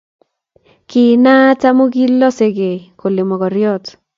Kiinaat amu kilosekei kole mokoriot